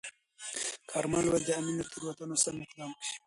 کارمل وویل، د امین له تیروتنو سم اقدام کوي.